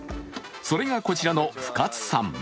それがこちらの深津さん。